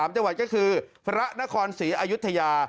๓จังหวัดก็คือพระนครศรีอายุทยา